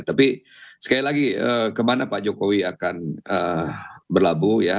tapi sekali lagi kemana pak jokowi akan berlabuh ya